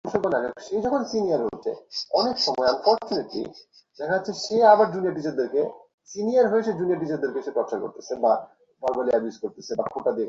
অবশ্যই ভালো বেতন।